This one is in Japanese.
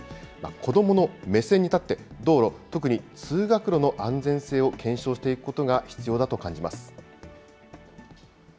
子どもの目線に立って、道路、特に通学路の安全性を検証していくことが必要だと感じます。